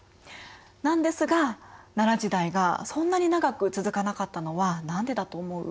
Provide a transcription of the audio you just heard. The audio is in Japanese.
なんですが奈良時代がそんなに長く続かなかったのは何でだと思う？